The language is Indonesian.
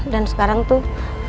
dan sekarang tuh